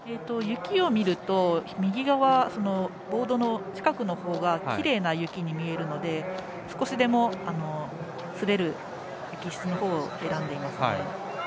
雪を見ると右側、ボードの近くのほうはきれいな雪に見えるので少しでも滑る雪質のほうを選んでいますね。